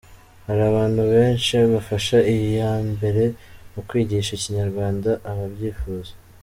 Hari abantu benshi bafashe iya mbere mu kwigisha Ikinyarwanda ababyifuza.